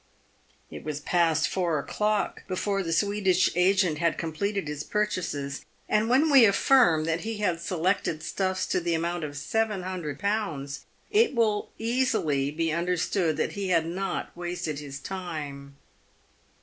It was past four o'clock before the Swedish agent had com pleted his purchases, and when we affirm that he had selected stuffs to the amount of 700Z., it will be easily, understood that he had not wasted his time.